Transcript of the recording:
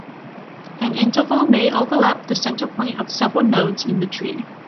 An interval may overlap the center point of several nodes in the tree.